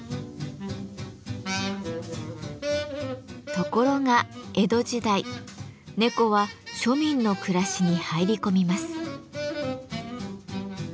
ところが江戸時代猫は庶民の暮らしに入り込みます。